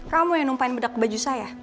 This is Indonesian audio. kamu yang numpahin bedak baju saya